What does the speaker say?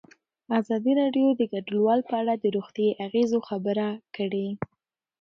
ازادي راډیو د کډوال په اړه د روغتیایي اغېزو خبره کړې.